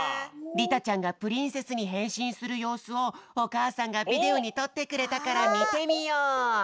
りたちゃんがプリンセスにへんしんするようすをおかあさんがビデオにとってくれたからみてみよう。